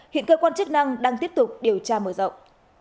hiện cơ quan chức năng đang tiếp tục điều tra mở rộng